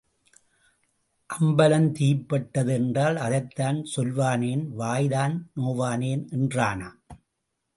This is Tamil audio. அம்பலம் தீப்பட்டது என்றால், அதைத்தான் சொல்வானேன், வாய்தான் நோவானேன் என்றானாம்.